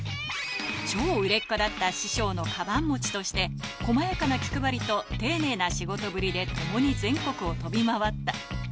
超売れっ子だった師匠のかばん持ちとして、細やかな気配りと丁寧な仕事ぶりで共に全国を飛び回った。